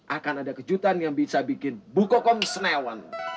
akan ada kejutan yang bisa bikin bu kokom senewan